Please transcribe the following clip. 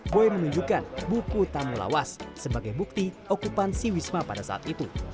boy menunjukkan buku tamu lawas sebagai bukti okupansi wisma pada saat itu